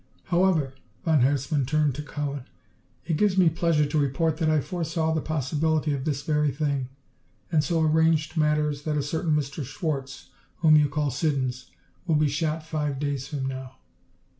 "However," von Herzmann turned to Cowan, "it gives me pleasure to report that I foresaw the possibility of this very thing and so arranged matters that a certain Mr. Schwarz, whom you call Siddons, will be shot five days from now."